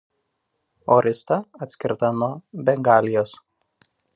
Orisa atskirta nuo Bengalijos.